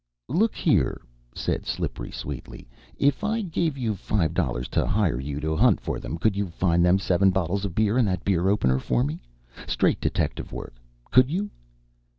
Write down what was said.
"Look here!" said Slippery sweetly. "If I gave you five dollars to hire you to hunt for them, could you find them seven bottles of beer and that beer opener, for me? Straight detective work? Could you?"